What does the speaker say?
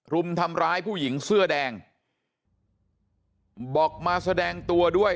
รุมทำร้ายผู้หญิงเสื้อแดงบอกมาแสดงตัวด้วย